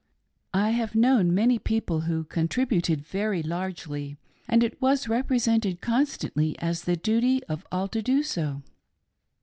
I have known many people who contributed very largely, and it was represented constantly as the duty of all to do so.